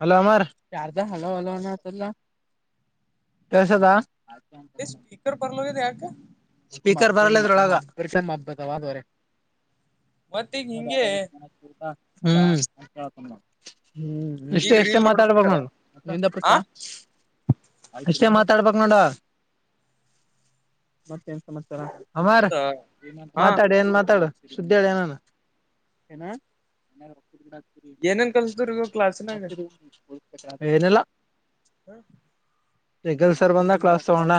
Hello ಅಮಾರ್ ಹಾ ಅದೇ ಕೇಳಿಸದ. ಸ್ಪೀಕರ್ ಬರಲಾಗದ ಯಾಕ ಸ್ಪೀಕರ್ ಬರಲ್ಲ ಅದ್ರೊಳಗ ಮತ್ತ ಈಗ ಹಿಂಗೆ ಹ್ಮ್ ಹ್ಮ್ ಈಗ ಇಷ್ಟೇ ಎಷ್ಟೇ ರೀಲ್ ನೋಡ್ಬೇಕ ಮಾತಾಬೇಕ್ ನೋಡು ಆ ಎಷ್ಟೇ ಮಾತಾಡಬೇಕು ನೋಡ ಅಮಾರ್ ಹೌದಾ ಹಾ ಮಾತಾಡು ಏನ್ ಮಾತಾಡು ಸುದ್ದಿ ಹೇಳ್ ಏನಾರ ಏನನ್ ಕಲ್ಟ್ರಿ ನೀವು ಕ್ಲಾಸ್ನಾಗ [inaudible] ಏನಲ್ಲ ಹಾ ರೆಗಲ್ ಸರ್ ಬಂದ ಕ್ರಾಸ್ ತಗೊಂಡ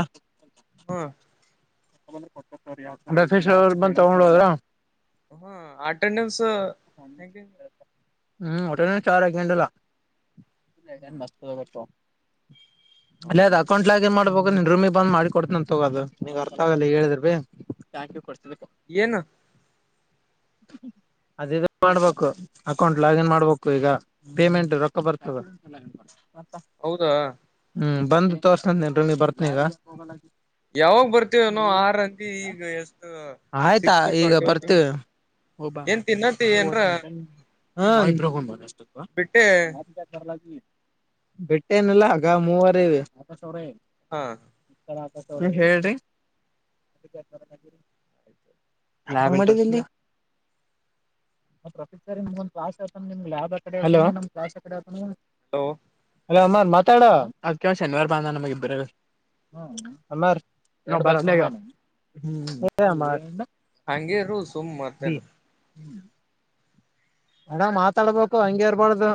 ಹಾ ಲೋಕಿ ಸರ್ ಬಂತೊಂದೋದ್ರ ಹಾ ಅಟೆಂಡೆನ್ಸ್ ಹೇಗೆ ಹ್ಮ್ ಅಟೆಂಡೆನ್ಸ್ಯಾರು ಕೆಂದಿಲ್ಲ ಹ ಮತ ಹೌದಾ ಅಲ್ಲದ ಅಕೌಂಟ್ ಲಾಗಿನ್ ಅಕೌಂಟ್ ಲಾಗಿನ್ ಮಾಡಬೇಕು ಗ್ರೂಮೆಗೆ ಬಂದು ಲಾಗಿನ್ ಮಾಡ್ತೀನಿ ಹೇಳಿದರೆ ನಿನಗೆ ಅರ್ಥ ಆಗಲ್ಲ ಏನು ಇದು ಮಾಡಬೇಕು ಅಕೌಂಟ್ ಲಾಗಿನ್ ಮಾಡಬೇಕು ಈಗ ಪೇಮೆಂಟ್ ರೊಕ್ಕ ಬರ್ತದೆ ಹೌದಾ ಹ್ಮ್ ಬಂದು ತೋರ್ಸನೀ ಬಂದ್ ನೀರೂಮ್ ಬರ್ತನಿ ಈಗ ಯಾವಾಗ ಬರ್ತೀವೋ ಆರ್ ಅಂತಿ ಈಗ ಎಷ್ಟು ಸಿಕ್ಸ್ ಟ್ವೆಂಟಿ ಒನ್ ಹ ಬ ಏನ್ ತಿನ್ನತಿ ಹ ಏನ್ರ ಇ ಬತ ಬಿಟ್ಟೆ ಬೆಟ್ಟೇನಲ್ಲ ಆಗ ಮೂವರೆ ಇವೆ ಹಾ ನೀ ಹೇಳ್ರಿ ಹೆಂಗೆಮಾಡಿದರೆ ಹೆಲೋ ಹಲೋ ಅಲ ಅಮರ್ ಮಾತಾಡ ಅದ್ಕ ಶನಿವಾರ ಭಾನುವಾರ ನಮಗ ಇಬ್ಬರ ಅಮರ್ ಕ್ಲಾಸ್ ಹ ನಾಗೆ ಹ್ಮ ಹಂಗೆ ಇರು ಸುಮ್ ಮತ್ತೇನು ಅಣ್ಣ ಮಾತಾಡ್ಬೇಕು ಹಂಗೆ ಇರ್ಬಾರ್ದು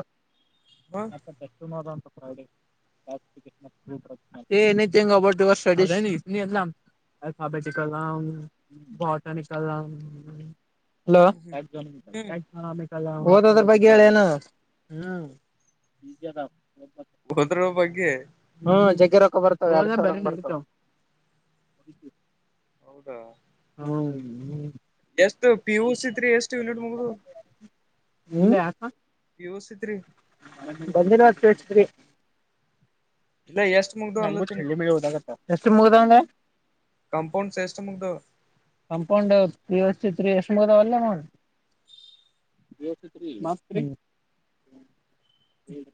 ಹಾ ಷ್ಟು [unintelligible] ನೊಬ ಸ್ಟ ಎ ಆಥಾಮೆಟಿಕಲ್ ಆ್ [unintelligible] ಹ್ಮ್ ಹೆಲೋ ಓದೋದ್ರು ಬಗ್ಗೆ ಹೇಳೇನು ಹ ಹೋದದ್ರು ಬಗ್ಗೆ ಹ್ಮ ಜಗ್ಗೆ ರೊಕ್ಕ ಬರ್ತವೆ ಹೌದಾ ಹ್ಮಞ ಹ್ಞ ಎಷ್ಟು ಪಿಯುಸಿದು ಎಷ್ಟು ನೆಟ್ ಮುಗಿದವು ನೀ ಯಕ ಯೂಸಿ ತ್ರಿ ಬಂದಿಲ್ಲ ತಿಳಿಸಿದ್ರಿ ಇಲ್ಲ ಎಷ್ಟು ನಮಗು ಚಳ್ಳಿ ಬೆಳಿ ಓದಾಗತ್ತ ಎಷ್ಟು ಮುಗ್ದಂಡೆ ಕಾಂಪೌಂಡ್ ಸೆಕ್ಸ್ ಕಂಪೌಂಡ್ ತ್ರೀ ವಷ್ಟಿ ತ್ರೀ ಅಷ್ದಲ್ಲೇ ಮಾಡ್ ದ ಮಾಸ್ [unintelligible]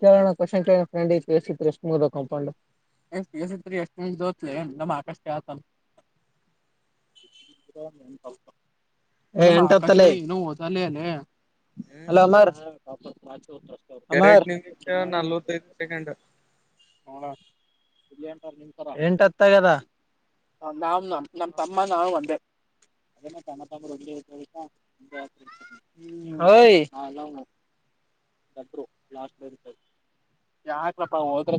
ಕೇಳೋಣ ಕಷನ್ೇಳ ್ರಂಡ ಕಸಿದ್ರ ಸದ ಕಂಪೌಂಡ್ ಎಷ್ಟ ಪ ಎಸ್ತ್ ಎಷ್ಟು ದೋತ್ಲೆ ನಮ್ಮ್ಕಷ್ಟ ಆತಲ್ಲ. [unintelligible] ಇನ್ನೂ ಓದಲ್ಲೆ ಲ್ಲೇ. ಹ್ಮ ಹಲೋ ಅಲರ್ರ್. ಎರೆಡ್ ನಿಮಿಷ ನಲ್ವತ್ತೈದು ಸೆಕೆಂಡ್. ಎಂಟು ಹತ್ತಾಗ್ಯದ. ನಾವ್ ನಮ್ ನಮ್ ತಮ್ಮ ನಾವು ಒಂದೆ. ಅದೇನೊ ತಮ್ಮ ತಮ್ಮರು ಒಟ್ಟಿಗೇ [unintelligible] ಏಯ್. ಯಾಕಪ್ಪಾ ಹೋದ್ರೆ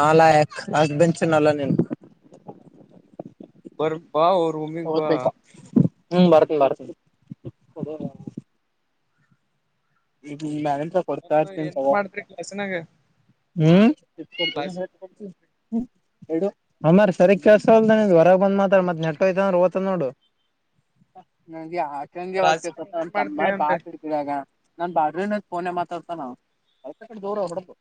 ನಾಲಾಯಕ್ ಹಸ್ಬಂಡ್ [unintelligible] ಬರ್ ಬಾ ವೋ ರೂಮಿಗ್ ಬಾ. ಹ್ಮ್ ಬರ್ತೀನಿ ಬರ್ತೀನಿ. ಈ ಮ್ಯಾಲಿಂತ್ರ ಕೊಡ್ತಾ ಮತ್ತ ಇರ್ತೀನ ಏನ್ ತೊಗೊ ಮಾಡ್ತ್ರಿ ಕ್ಲಾಸಿನಾಗ ಹ್ಮ್ ಕ್ಲಾಸ್ ಹ್ಮ್ ಇಡು ಅಣ್ಣಾರ ಸರಿಗ್ ಕೆಲ್ಸ ವಲ್ದು ಹೊರಗ ಮಾತಾಡು ಮತ್ ನೆಟ ಹೋಯ್ತ ಅಂದ್ರ ಹೋತದ ನೋಡು. [unintelligible] [unintelligible] ಕ್ಲಾಸಿನಾಗ ಏನೇನ್ ಮಾಡ್ತೀರಿ ಅಂದೆ ನಾನ್ ಬಾಜುನೆ ನಿಂತು ಫೋನ್ ನ್ಯಾಗ ಮಾತಾಡ್ತಾನವ ಅದನ ಅಕಡೆ ದೂರ ಹೋಬುಡಬಕು.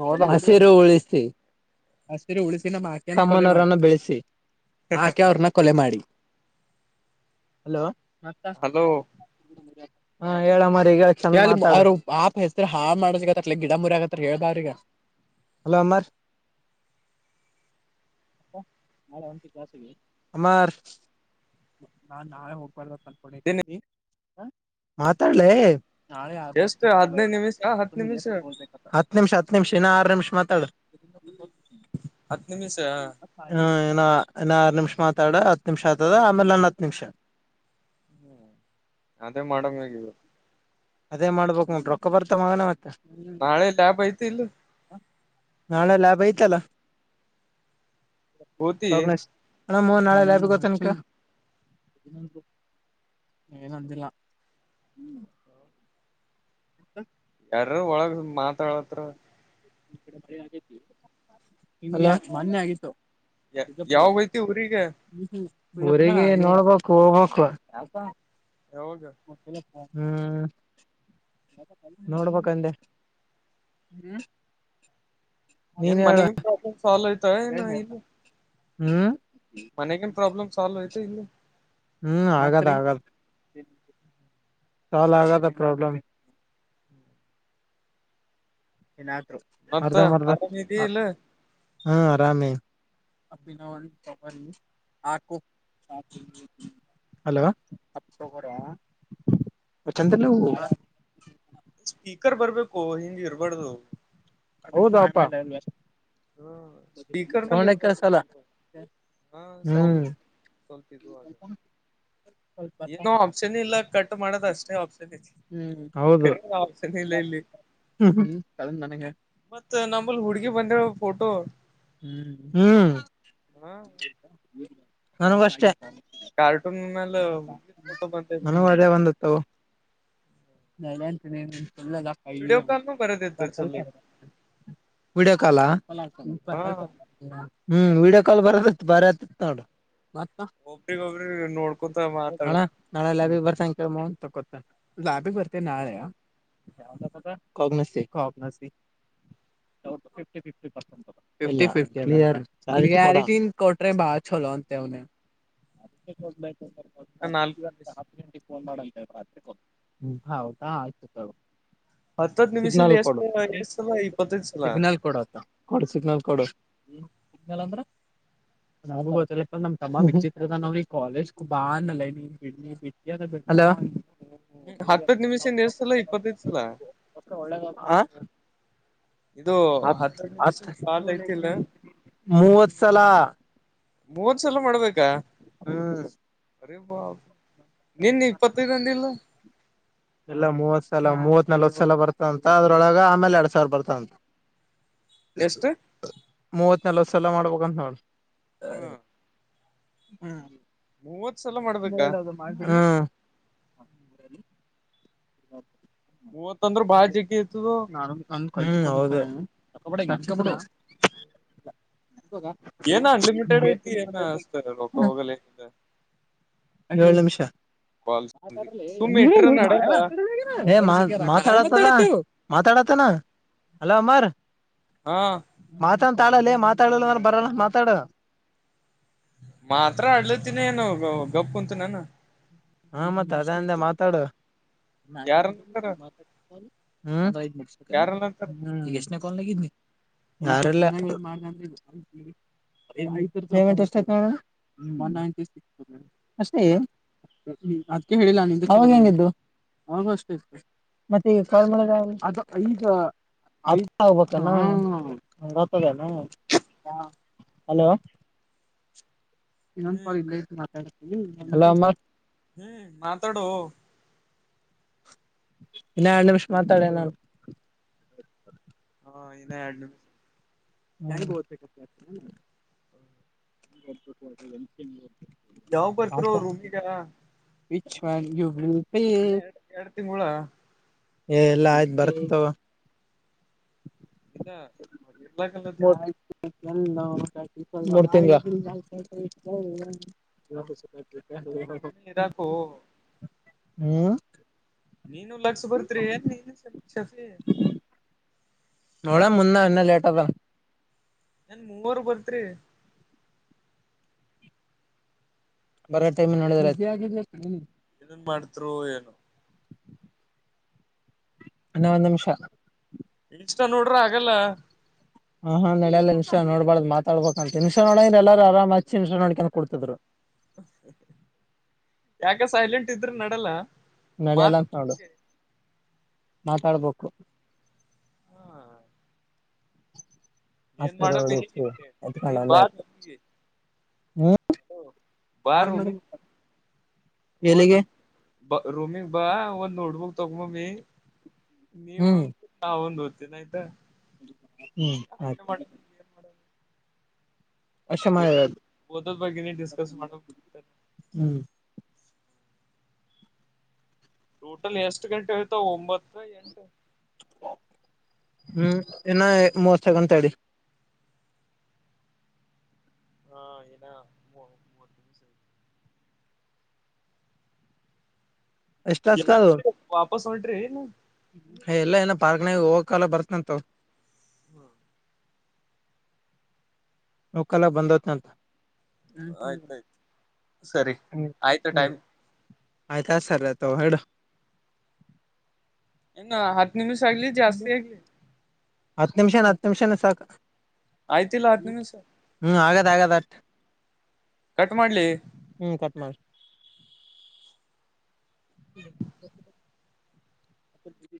ನೋಡ ಹಸಿರು ಉಳಿಸಿ. ಹಸಿರು ಉಳಿಸಿ [unintelligible] ಆಕೆ ಅವ್ರನ್ನ ಕೊಲೆ ಮಾಡಿ ಹಲೋ ಹಲೋ [inaudible] ಹಾ ಹೇಳ ಮರಿ ಈಗ ಚಂದ ಮಾತಾಡ [unintelligible] ಹಾಳ ಮಾದಕತ್ತರ ಗಿಡ ಮುರೆ ಕತರ ಹೇಳ ಬಾ ಅವ್ರಿಗೆ. ಹಲೋ ಅಮರ್ [inaudible] ಅಮರ್ ನಾನ್ ನಾಳೆ ಹೋಗಬಾರ್ದು ಅತ್ ಇದ್ದೀನಿ ಅನ್ಕೊಂಡಿನಿ. ಹ ಮಾತಾಡ್ಲ ಲೆ ಎಷ್ಟು ಹದ್ನೈದು ನಿಮಿಷ ಹತ್ ನಿಮಿಷ [unintelligible] ಹತ್ತು ನಿಮಿಷ ಹತ್ತು ನಿಮಿಷ ಇನ್ನ ಆರು ನಿಮಿಷ ಮಾತಾಡು. ಹತ್ತ್ ನಿಮಿಷಾ. ಹ ಇನ ಇನ್ ಆರು ನಿಮಿಷ್ ಮಾತಾಡ ಹತ್ತು ನಿಮಷ ಆತದ ಆಮೇಲೆ ಇನ್ನ ಹತ್ತು ನಿಮಿಷ. ಹ್ಮ ಅದೇ ಮಾಡಂಗ ಆಗಿದ್ರೂ. ಅದೇ ಮಾಡ್ಬೇಕು ಮತ ರೊಕ್ಕ ಬರ್ತ ಮಗನ ಮತ್ತ. ನಾಳೆ ಲ್ಯಾಬ್ ಐತಿ ಇಲ್ಲ ನಾಳೆ ಲ್ಯಾಬ್ ಐತಲ್ಲ ಹೋತಿ ಹಣ ಮೂ ನಾಳೆ ಲ್ಯಬಿಗೋತನತ. ಏನಂದಿಲ್ಲ ಹ ಯಾರ್ರೂ ಒಳಗ ಮಾತಾಡತ್ರ. ಇಲ್ಲಾ ಮನ್ನೆ ಆಗಿತ್ತು. ಯಾವಾಗ ಐತಿ ಊರಿಗೆ ಊರಿಗೆ ನೋಡ್ಬಕು ಹೋಗ್ಬಕು. ಹೌದು ಹ್ಮ್ ನೋಡ್ಬೇಕಂದೆ ಹ್ಮ್ ಏನ್ ಮನೆಗನ್ ಪ್ರಾಬ್ಲಮ್ ಸಾಲ್ವ್ ಐತಾ ಏನ ಇಲ್ಲ. ಹ್ಮ್ ಮನೆಗಿನ್ ಪ್ರಾಬ್ಲಮ್ ಸಾಲ್ವ ಆಯ್ತಾ ಇಲ್ಲ. ಹ್ಮ್ ಆಗದ ಆಗದ ಸಾಲ್ವ್ ಆಗದ ಪ್ರಾಬ್ಲಮ್. ಮತ್ತ ಅರ್ಧ ಮರ್ದ್ ಆರಾಮ ಇದಿ ಹಾ ಇಲ್ಲ ಆರಾಮವಿ. [inaudible] ಹಲೋ ಚಂದಿಲವು. ಸ್ಪೀಕರ್ ಬರ್ಬೇಕೊ ಹಿಂಗ ಇರ್ಬಾರ್ದು. ಹೌದ ಅಪ್ಪ ಹ ಸ್ಪೀಕರ್ ಮೇಲೆ ಸೌಂಡೇ ಕೆಳ್ಸಲ್ಲ ಇರ್ಬೇಕಿತ್ತಲ್ವ ಹಾ ಹ್ಮ್. ಸೌಂಡ್ ಸ್ವಲ್ಪ ಇದು ಆಗ [inaudible] ಏನೋ ಒಪ್ಶನೇ ಇಲ್ಲ ಕಟ್ ಮಾಡೋದ ಅಷ್ಟೇ ಒಪ್ಶನ್ ಐತಿ. ಹ್ಮ್ ಹೌದು ಬೇರೆ ಆಪ್ಷನ್ ಇಲ್ಲ ಇಲ್ಲಿ ಹ್ಮ ಮತ್ ನಂಬಲ್ಲಿ ಹುಡ್ಗಿ [unintelligible] ಫೋಟೋ. ಹ್ಮ್ ಹ್ಮ್ ಹ ನನಗು ಅಷ್ಟೆ. ಕಾರ್ಟುನಲ್ಲೆ ಹುಡುಗಿ ಫೋಟೋ ಬಂದೈತಿ. ನನಗೂ [inaudible] [unintelligible] ವಿಡಿಯೋ ಕಾಲ್ನು ಬರೋದಿತ್ತು ಚಲ ವಿಡಿಯೋ ಕಾಲ್ ಹಾ, ಹಾ ಹ್ಮ ವಿಡಿಯೋ ಕಾಲ್ ಬರದಿತ್ತ್ ಬಾರಿ ಆತಿತ್ತ್ ನೋಡು. ಒಬ್ರಿಗ್ ಒಬ್ರಿಗಿ ನೋಡ್ಕೊತ ಅಣ ಮಾತಾಡದ. ನಾಳೆ ಲ್ಯಾಬಿಗಿ ಬರ್ತ್ನ ಕೇಳ್ [unintelligible] ಲ್ಯಾಬಿಗಿ ಬರ್ತೆನ್ ನಾಳೇ. [unintelligible] ಫಿಫ್ಟಿ, ಫಿಫ್ಟಿ ಗ್ಯಾರೆಂಟಿ ಕೊಟ್ರೆ ಬಾಳ ಚಲೋ ಅಂತೇವ್ನೆ. [inaudible] ಫೋನ್ ಮಾಡ ಅಂತ ಹೇಳ್ ರಾತ್ರಿ ಕೊ ಹೌದಾ ಆಯ್ತು ತೊಗೊ. ಹತ್ತತ್ ನಿಮಿಷದಿಂದ ಸಿಗ್ನಲ್ ಕೊಡು ಎಷ್ಟ ಎಷ್ಟ್ ಸಲ ಇಪ್ಪತ್ತೈದ್ ಸಲ ಸಿಗ್ನಲ್ ಕೊಡೋತ, ಕೊಡು ಸಿಗ್ನಲ್ ಕೊಡು ಸಿಗ್ನಲ್ ಸಿಗ್ನೇಲ ಅಂದ್ರ. [unintelligible] ಹಲೋ, ಹತ್ತುಗ ನಿಮಿಷ ನಿಲ್ಸಲ್ಲ ಇಪ್ಪತ್ತೈದಸಲ. ಹಾ, ಇದು ಹತ್ತ ಐದ್ ನಿಮಿಷ ಹತ್ ಕಾಲ್ನು ಹೇತಿಲ್ಲನಾ. ಮೂವತ್ ಸಲ ಮೂವತ್ತ್ ಸಲ ಮಾಡ್ಬೇಕಾ, ಹ್ಮ, ಅರೆೇ ಬಾ ನಿನ್ನಿ ನೀ ಇಪ್ಪತ್ತಂದಿಲ್ಲ. ಎಲ್ಲಾ ಮೂವತ್ ಸಲ ಮೂವತ್ ನಲ್ವತ್ ಸಲ ಬರ್ತವ ಅಂತ ಅದ್ರೊಳಗ ಆಮೇಲ ಎರಡ್ ಸಾವಿರ ಬರ್ತಾವಂತ. ಎಷ್ಟ, ಮೂವತ್ ನಲ್ವತ್ ಸಲ ಮಾಡ್ಬೇಕಂತ ನೋಡ್ ಹಾ ಹ್ಮ. ಮೂವತ್ ಸಲ ಮಾಡ್ಬೇಕಾ, ಹ್ಮ. [inaudible] ಮೂವತ್ತ ಅಂದ್ರ ಬಾಳ ಜಿಗ್ಗಿ ಅತ್ದ್ದೊ. ಹ್ಮ ಹೌದು. ಏನ ಅನ್ಲಿಮಿಟೆಡ್ ಐತಿ ಏನ ಅಷ್ಟ ರೊಕ್ಕ ಹೋಗಲ್ಲೆ. ಏಳ ನಿಮಿಷ. ಕಾಲ್ ಹ ಸುಮ್ಮ್ ಇಟ್ರ ನಡಲ್ಲ ಮಾ ಮಾತಾಡತ ಮಾತಾಡತನಾ ಹಲೋ ಅಮರ್ ಹಾ ಮಾತ ಅಂತ ಆಡಲ್ಲೇ ಮಾತಾಡಲ್ಲಂದ್ರ ಬರೋಣ ಮಾತಾಡ ಮಾತ್ರ ಅಡ್ಲತಿನಿ ಏನು ಗಪ್ ಅಂತು ನಾನು ಹಾ ಮತ್ತೆ ಅದಂದೆ ಮಾತಾಡು ಯಾರನ್ನಂತಾರ ಯಾರನ್ನಂತಾರ [unintelligible] ಯಾರು ಇಲ್ಲ ಪೇಮೆಂಟ್ ಎಷ್ಟಾಯ್ತು ನೋಡು ಅದಕ್ಕೆ ಹೇಳಿದ್ದು ನಿನಗೆ ಅವನೆಷ್ಟು ಮತ್ತೀಗ ಫೋನ್ ಮಾಡಿದ್ರು ಅವನು ಅಲ್ಲಿ ತರಬೇಕಲ್ಲ ಹಲೋ [inaudible] ಇನ್ನೊಂದ ಹ್ಮ್ ಕಾಲೇಜಿಇದೆ ಮಾತಾಡು ಹಲೋ ಅಮರ್ ಹ್ಮ್ ಮಾತಾಡು ಇನ್ನ ಎರಡು ನಿಮಷ ಮಾತಾಡ ನಾನು ಹಾ ನಿನ್ನ ಎರಡು ನಿಮಿಷ ನನಗೂ ಗೊತ್ತು ಹ [inaudible] [unintelligible] ಯಾವಾಗ ಬರ್ತೀರೋ ರೂಮಿಗೆ ವಿಚ್ ವನ್ ಯು ಇನ್ನ ಎರಡು ಎರಡು ತಿಂಗಳು ಏ ಎಲ್ಲಾ ಆಯ್ತು ಬರ್ತಿನ್ ತಗೋ ಇಲ್ಲ ಇರ್ಲಾಗಲ್ಲತ್ತೇನ ಮೋದ [unintelligible] ಮೂರ್ ತಿಂಗಳು ರೂಮಿನ ಇರಾಕು ಹ್ಮ್ ನೀನು ಲಕ್ಷ ಬರ್ತ್ರಿ ಏನ್ ನೀನು ಶಫಿ ನೋಡ ಮುಂದ ಇನ್ನ ಲೇಟ್ ಅದ ಏನು ಮೂವರ್ ಬರ್ತೀರಿ ಬರ ಟೈಮ್ ನೋಡಿದ ನ್ನನ್ ಮಾಡ್ತ್ರು ಏನು ಅಣ್ಣ ಒಂದ ನಿಮಿಷ ಇಷ್ಟ ನೋಡಿದ್ರೆ ಆಗಲ್ಲ ಹಾ ಹ ನಡಲ್ಲ ನಿಮಷ ನೋಡ್ಳ್ದ ಮಾತಾಡ್ಬೇಕ ಅಂತ ನಿಮಷ ನೋಡ್ರ ಎಲ್ಲರು ಆರ್ಚ್ಚಿ ನೋಡ್ಕೊಂಡು ಕುಡ್ತಿದ್ ಯಾಕೆ ಸೈಲೆಂಟ್ ಇದ್ರು ನೋಡಲ್ಲ ನಡೆಯಲ್ಲಂತ ನೋಡು ಮಾತಾಡ್ಬೇಕು ಹಾ ಏನ್ ಎಷ್ಟಾದರೂ ಮಾಡಮ್ ಉಳಿಯಿತು ನೀ ಬಾ ರೂಮಿಗೆ ಬಾ ರೂಮಿ [unintelligible] ಎಲ್ಲಿಗೆ ರೂಮಿಗೆ ಬಾ ಹುಡುಗರೆ ತಗೊಂಡ್ ಬಂದೀನಿ ಹಾ ಅವನದು ಚೆನ್ನಾಗಿ ಆಯ್ತಾ ಹ್ಮ್ ಹಾಗೆ ಮಾಡ ಹಾಗಯತ ಅಷ್ಟೆ ಹ ಮಾಡಿರೋದು ಕದ ಬಗ್ಗನಿ ಡಿಸ್ಕಸ್ ಮಾಡ ಹ್ಮ್ ಟೋಟಲ್ ಎಷ್ಟು ಗಂಟೆ ಹೊಯ್ತಾವ ಒಂಬತ್ತು ಎಂಟು ಹ್ಮ್ ಇನ್ನ [unintelligible] ತಡಿ ಹಾ ಇನ್ನ ಮೂ ಎಷ್ಟ್ ಟಾಸ್ಕ್ ಎಲ್ಲ ಅದು ಇದ್ರಿ ವಾಪಾಸ್ ಹೊಂಟ್ರಿ ಏನ್ ಹೇ ಇಲ್ಲ ಇನ್ನ ಪಾರ್ಕ್ನಾಗ ಹೋಗೋಕಾಲ ಬರ್ತ್ನ್ ಅಂತ ತಗೋ. ಹ್ಮ ನೋಕಲ್ಲ ಬಂದೈತಂತ. ಆಯ್ತಾಯ್ತು ಸರಿ ಆಯ್ತು ಟೈಮ್. ಆಯ್ತು ಸರಿ ಆಯ್ತ್ ತಗೋ ಇಡು. ಇನ್ನ ಹತ್ತು ನಿಮಿಷ ಆಗ್ಲಿ ಜಾಸ್ತಿ ಆಗ್ಲಿ. ಹತ್ತು ನಿಮಿಷನ ಹತ್ತು ನಿಮಿಷಾನೆ ಸಾಕು ಆಯ್ತಿಲ್ಲ ಹತ್ ನಿಮಿಷ. ಹ್ಮ್ ಆಗದ್ ಆಗದ ಅಟ್ ಕಟ್ ಮಾಡ್ಲಿ ಹ್ಮ್ ಕಟ್ ಮಾಡ್ ಹ್ಮ [inaudible]